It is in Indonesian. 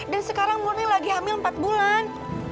dan sekarang murni lagi hamil empat bulan